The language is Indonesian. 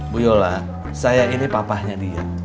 bu yola saya ini papahnya dia